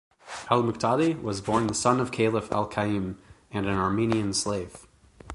Al-Muqtadi was born the son of Caliph al-Qa'im and an Armenian slave.